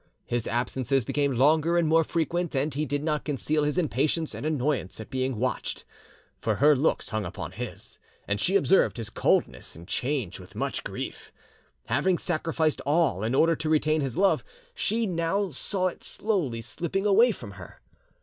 His absences became longer and more frequent, and he did not conceal his impatience and annoyance at being watched; for her looks hung upon his, and she observed his coldness and change with much grief. Having sacrificed all in order to retain his love, she now saw it slowly slipping away from her.